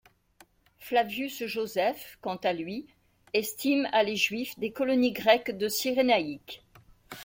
Flavius Josèphe, quant à lui, estime à les Juifs des colonies grecques de Cyrénaique.